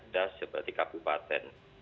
das seperti kabupaten